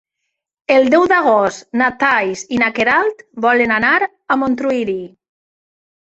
El deu d'agost na Thaís i na Queralt volen anar a Montuïri.